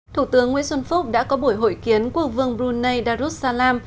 thủ tướng nguyễn xuân phúc đã có buổi hội kiến quốc vương brunei darussalam